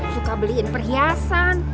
suka beliin perhiasan